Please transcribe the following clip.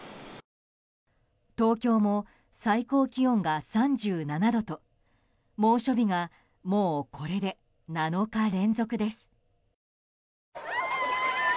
東京も最高気温が３７度と猛暑日がもうこれで７日連続です。